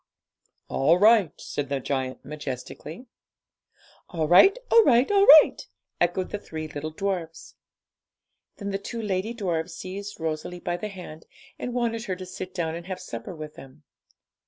'All right,' said the giant majestically. 'All right, all right, all right,' echoed the three little dwarfs. Then the two lady dwarfs seized Rosalie by the hand, and wanted her to sit down and have supper with them.